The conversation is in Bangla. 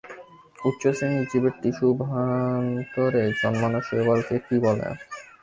উচ্চ শ্রেণির জীবের টিস্যুভান্তরে জন্মানো শৈবালকে কী বলে?